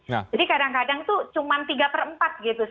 jadi kadang kadang itu cuma tiga per empat gitu